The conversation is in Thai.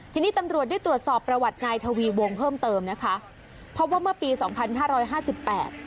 ทีนี้ตำรวจได้ตรวจสอบประวัตินายทวีวงเพิ่มเติมนะคะเพราะว่าเมื่อปีสองพันห้าร้อยห้าสิบแปด